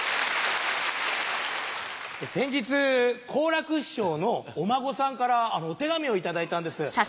先日好楽師匠のお孫さんからお手紙を頂いたんです。